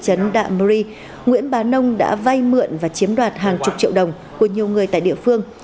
tại thị trấn đạm ri nguyễn bá nông đã vay mượn và chiếm đoạt hàng chục triệu đồng của nhiều người tại địa phương